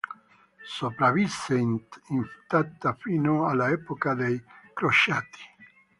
Sopravvisse intatta fino all'epoca dei crociati.